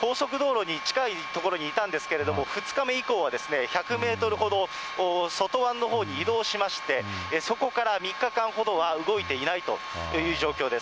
高速道路に近い所にいたんですけれども、２日目以降は１００メートルほど外湾のほうに移動しまして、そこから３日間ほどは動いていないという状況です。